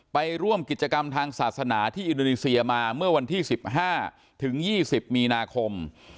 ไปร่วมกิจกรรมทางศาสนาที่อินโดนีเซียมาเมื่อวันที่๑๕ถึง๒๐มีนาคม